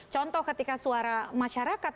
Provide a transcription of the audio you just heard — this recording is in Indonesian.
contoh ketika suara masyarakat